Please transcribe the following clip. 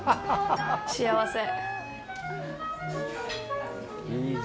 幸せ。